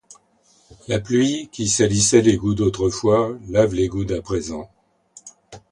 La pluie, qui salissait l'égout d'autrefois, lave l'égout d'à présent.